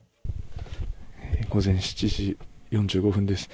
午前７時４５分です。